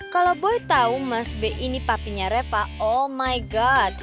kalau boy tau mas b ini papinya reva oh my god